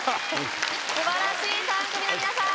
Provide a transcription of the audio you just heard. すばらしい３組の皆さん